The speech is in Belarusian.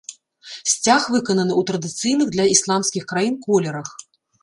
Сцяг выкананы ў традыцыйных для ісламскіх краін колерах.